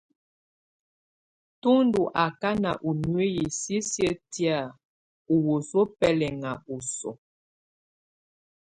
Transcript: Tú ndù akana ù nuiyi sisiǝ́ tɛ̀á ù wǝsuǝ́ bɛlaŋa ù ɔsɔa.